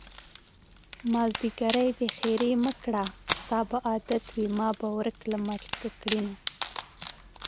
مازديګری دی ښېرې مکړه ستا به عادت وي ما به ورک له ملکه کړينه